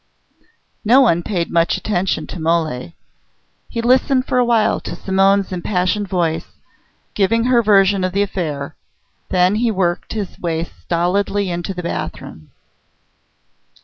No one paid much attention to Mole. He listened for a while to Simonne's impassioned voice, giving her version of the affair; then he worked his way stolidly into the bathroom.